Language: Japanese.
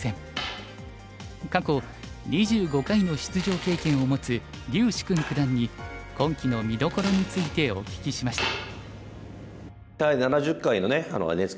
過去２５回の出場経験を持つ柳時熏九段に今期の見どころについてお聞きしました。